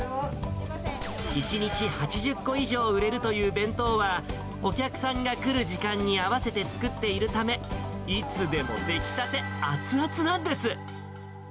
１日８０個以上売れるという弁当は、お客さんが来る時間に合わせて作っているため、いつでも出来たて、熱々なんです。